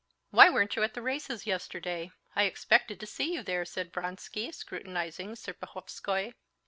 "Why weren't you at the races yesterday? I expected to see you there," said Vronsky, scrutinizing Serpuhovskoy.